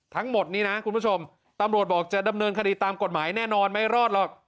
ทั้งหมดนี้นะคุณผู้ชมตำรวจบอกจะดำเนินคดีตามกฎหมายแน่นอนไม่รอดหรอก